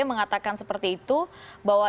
mengatakan seperti itu bahwa